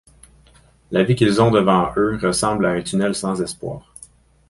La vie qu'ils ont devant eux ressemble à un tunnel sans espoir.